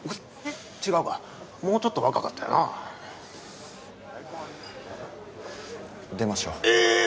違うかもうちょっと若かったよな出ましょう・えーっ！？